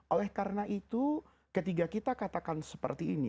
oleh karena itu ketika kita katakan seperti ini